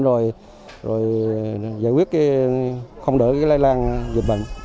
rồi giải quyết không đỡ lây lan dịch bệnh